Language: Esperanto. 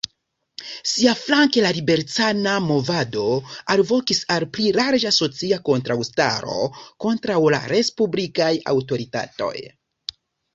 Siaflanke la liberecana movado alvokis al pli larĝa socia kontraŭstaro kontraŭ la respublikaj aŭtoritatoj.